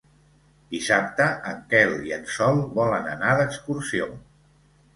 Dissabte en Quel i en Sol volen anar d'excursió.